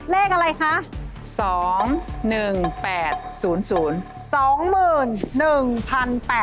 เลขอะไรคะ